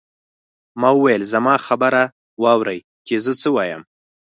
ما وویل زما خبره واورئ چې زه څه وایم.